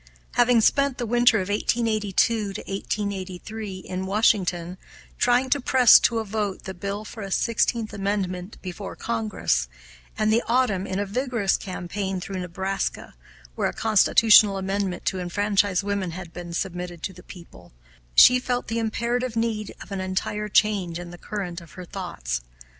Having spent the winter of 1882 83 in Washington, trying to press to a vote the bill for a Sixteenth Amendment before Congress, and the autumn in a vigorous campaign through Nebraska, where a constitutional amendment to enfranchise women had been submitted to the people, she felt the imperative need of an entire change in the current of her thoughts.